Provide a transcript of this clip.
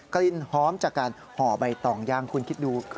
กลิ่นหอมจากการห่อใบตองย่างคุณคิดดู